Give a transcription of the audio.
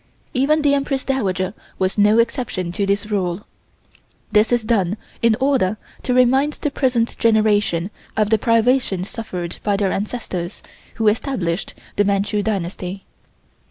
Even the Empress Dowager was no exception to this rule. This is done in order to remind the present generation of the privation suffered by their ancestors who established the Manchu Dynasty.